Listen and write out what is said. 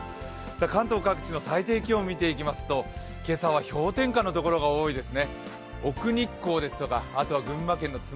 関東各地の最低気温を見ていきますと今朝は氷点下のところが多いですね。